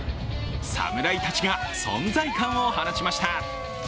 侍たちが存在感を放ちました。